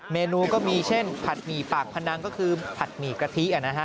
เมนูก็มีเช่นผัดหมี่ปากพนังก็คือผัดหมี่กะทิ